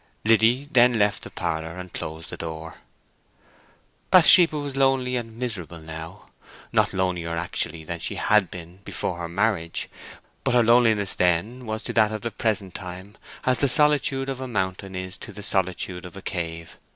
Liddy then left the parlour and closed the door. Bathsheba was lonely and miserable now; not lonelier actually than she had been before her marriage; but her loneliness then was to that of the present time as the solitude of a mountain is to the solitude of a cave.